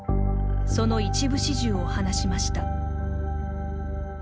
その一部始終を話しました。